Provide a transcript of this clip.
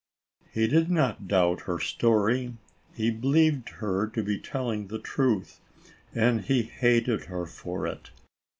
He did not doubt her story. He believed her to be telling the truth, and he hated her for it.